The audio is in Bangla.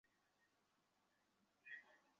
গলে যাওয়ার আগে এটা উপভোগ করুন।